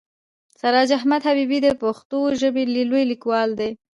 سراج احمد حبیبي د پښتو ژبې لوی لیکوال دی.